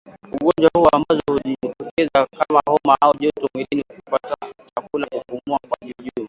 ugonjwa huu ambazo hujitokeza kama homa au joto mwilini kukataa chakula kupumua kwa juujuu